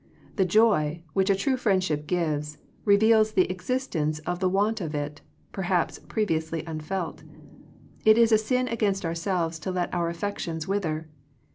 The joy, which a true friendship gives, re veals the existence of the want of it, per haps previously unf elt. It is a sin against ourselves to let our affections wither.